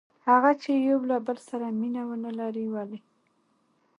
هغه چې یو له بل سره مینه ونه لري؟ ولې؟